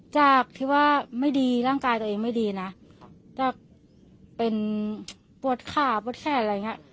จากที่ว่าไม่ดีร่างกายตัวเองไม่ดีนะจากเป็นปวดขาปวดแขนอะไรอย่างเงี้ย